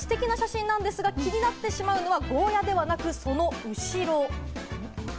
ステキな写真なんですが、気になってしまうのはゴーヤではなく、その後ろ。